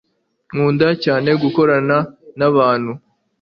nkunda cyane gukorana nabantu